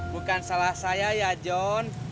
bukan salah saya ya john